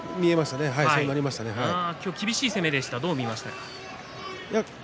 厳しい攻めでしたどう見ましたか？